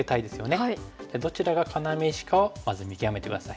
どちらが要石かをまず見極めて下さい。